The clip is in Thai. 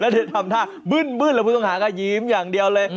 แล้วที่จะทำท่ามื้นแล้วผู้ต้องหาก็ยีมอย่างเดียวเลย